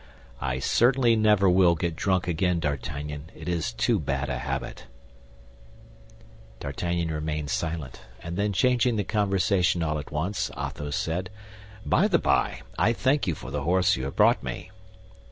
"I certainly never will get drunk again, D'Artagnan; it is too bad a habit." D'Artagnan remained silent; and then changing the conversation all at once, Athos said: "By the by, I thank you for the horse you have brought me."